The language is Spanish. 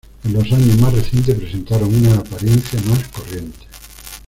En los años más recientes presentaron una apariencia más corriente.